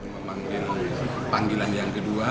memanggil panggilan yang kedua